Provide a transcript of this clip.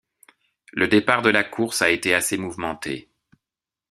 Le départ de la course a été assez mouvementé.